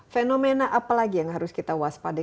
fenomena apalagi yang harus kita waspadai